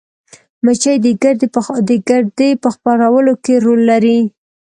مچۍ د ګردې په خپرولو کې رول لري